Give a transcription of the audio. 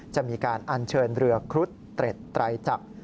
จะมีการอัญเชิญเรือครุฑเตร็ดไตรจักร